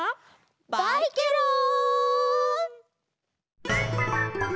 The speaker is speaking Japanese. バイケロン！